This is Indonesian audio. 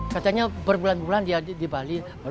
katanya berbulan bulan di bali